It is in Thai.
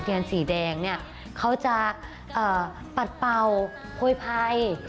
เทียนสีแดงเขาจะปัดเป่าโพยไพร